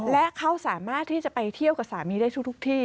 และเขาสามารถที่จะไปเที่ยวกับสามีได้ทุกที่